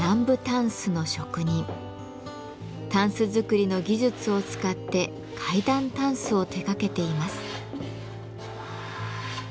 たんす作りの技術を使って階段たんすを手がけています。